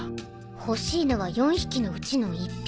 欲しいのは４匹のうちの１匹。